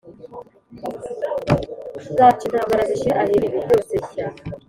azaca intambara, zishire, ahindure ibi byose bishya.